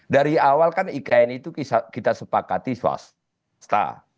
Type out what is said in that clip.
dari awal kan ikn itu kita sepakati swasta